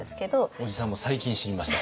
おじさんも最近知りました。